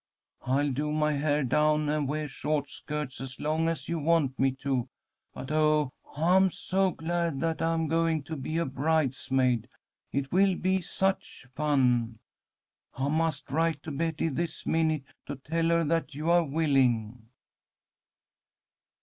I'll do my hair down and weah short skirts as long as you want me to, but, oh, I'm so glad that I'm going to be a bridesmaid! It will be such fun. I must write to Betty this minute to tell her that you are willing."